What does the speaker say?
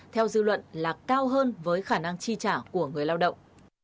theo dư luận là cao hơn với khả năng chi trả của người lao động